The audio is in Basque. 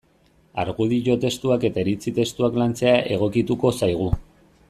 Argudio testuak eta iritzi testuak lantzea egokituko zaigu.